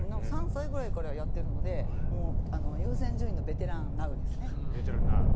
３歳くらいからやっているので優先順位のベテラン・ナウですね。